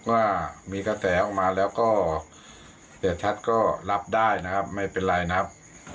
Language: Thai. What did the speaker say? ว่ามีกระแสออกมาแล้วก็เสียชัดก็รับได้นะครับไม่เป็นไรนะครับ